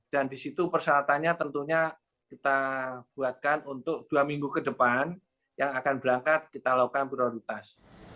dan di situ persyaratannya tentunya kita buatkan untuk dua minggu ke depan yang akan berangkat kita lakukan prioritas